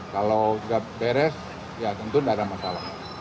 kalau sudah beres ya tentu tidak ada masalah